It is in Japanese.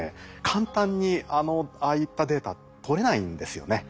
簡単にああいったデータ取れないんですよね。